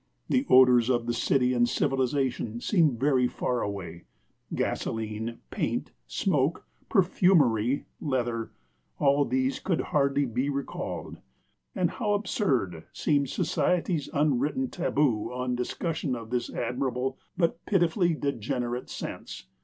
The odors of city and civilization seemed very far away: gasolene, paint, smoke, perfumery, leather all these could hardly be recalled. And how absurd seemed society's unwritten taboo on discussion of this admirable but pitifully degenerate sense!